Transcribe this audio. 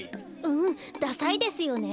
うんダサいですよね。